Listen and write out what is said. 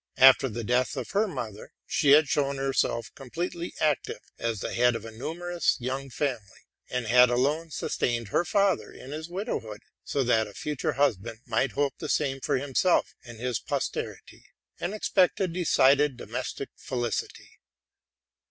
After the death of her mother, she had shown herself ex tremely active as the head of a numerous young family, and had alone sustained her father in his widowhood ; so that a future husband might hope the same for himself and his posterity, and expect a decided domestic felicity.